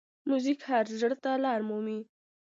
موزیک هر زړه ته لاره مومي.